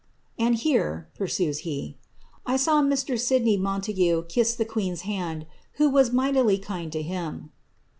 Ami here,'' pursues he, 1 s»iiw Mr. Sidney Monuigue ki^s^ the queen ^s hand, who was mighty kind to him.